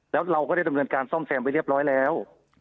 แล้วเราก็ได้ดำเนินการซ่อมแซมไปเรียบร้อยแล้ว